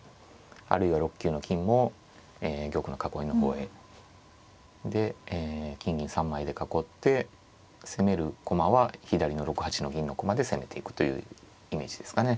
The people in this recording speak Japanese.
あるいは６九の金も玉の囲いの方へ。で金銀３枚で囲って攻める駒は左の６八の銀の駒で攻めていくというイメージですかね。